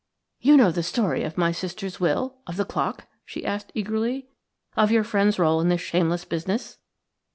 "You know the story of my sister's will–of the clock?" she asked eagerly: "of your friend's role in this shameless business?"